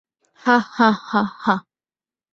হা হা হা হা।